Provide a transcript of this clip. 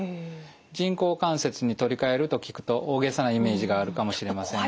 人工関節に取り替えると聞くと大げさなイメージがあるかもしれませんが。